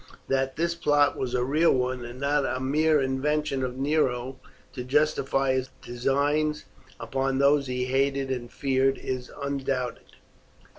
That this plot was a real one, and not a mere invention of Nero to justify his designs upon those he hated and feared, is undoubted.